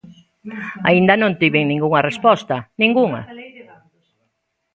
Aínda non tiven ningunha resposta, ningunha.